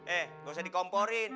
eh lo usah dikomporin